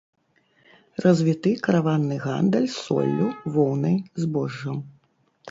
Развіты караванны гандаль соллю, воўнай, збожжам.